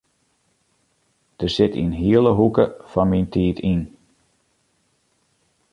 Dêr sit in hiele hoeke fan myn tiid yn.